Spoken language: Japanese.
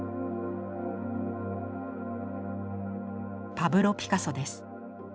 パブロ・ピカソです。